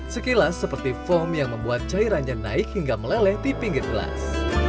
sekilas seperti foam yang membuat cairannya naik hingga meleleh di pinggir gelas